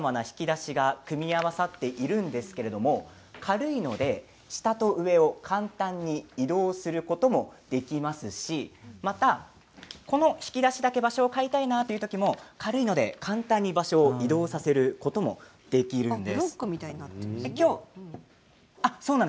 大小さまざまな引き出しが組み合わさっているんですけれども軽いので下と上を簡単に移動することができますしこの引き出しだけでは場所を変えたい場合も軽いので簡単に場所を移動させることができます。